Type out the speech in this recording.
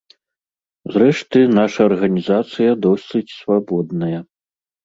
Зрэшты, наша арганізацыя досыць свабодная.